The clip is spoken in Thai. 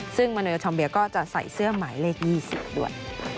ซึ่งมโนธอมเบียก็จะใส่เสื้อหมายเลข๒๐ด้วย